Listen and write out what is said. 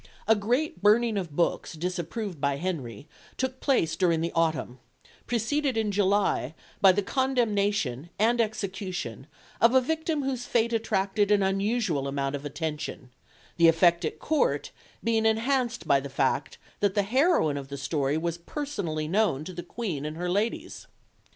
A great burning of books disapproved by Henry took place during the autumn, preceded in July by the condemnation and execution of a victim whose fate attracted an unusual amount of attention, the effect at Court being enhanced by the fact that the heroine of the story was personally known to the Queen and her ladies.